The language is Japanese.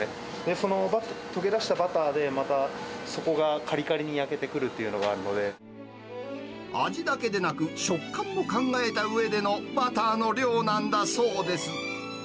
その溶け出したバターでまた底がかりかりに焼けてくるというのが味だけでなく、食感も考えたうえでのバターの量なんだそうです。